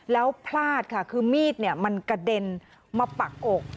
แล้วพลาดค่ะคือมีดมันกระเด็นมาปักอก